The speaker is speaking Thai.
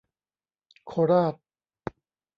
โคราช